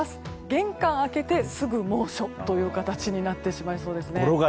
玄関開けて、すぐ猛暑という形になってしまいそうです。